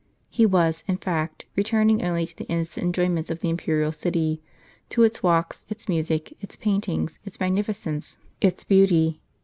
He was, in fact, returning only to the innocent enjoyments of the imperial city, to its walks, its nmsic, its paintings, its magnificence, its beauty.